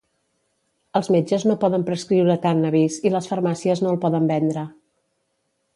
Els metges no poden prescriure cànnabis i les farmàcies no el poden vendre.